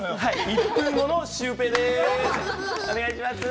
１分後のシュウペイです。